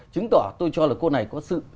chứng tỏ tôi cho là cô này có sự